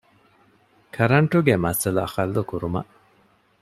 ކަރަންޓުގެ މައްސަލަ ޙައްލުކުރުމަށް